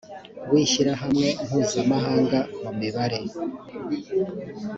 w ishyirahamwe mpuzamahanga mu mibare